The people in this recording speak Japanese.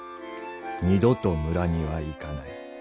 二度と村には行かない」。